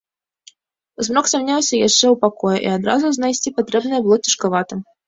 Змрок цямнеўся яшчэ ў пакоі, і адразу знайсці патрэбнае было цяжкавата.